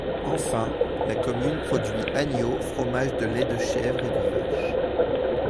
Enfin, la commune produit agneaux, fromages de lait de chèvre et de vache.